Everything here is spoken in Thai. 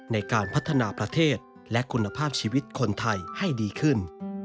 ในการพัฒนาประเทศและคุณภาพชีวิตคนไทยให้ดีขึ้น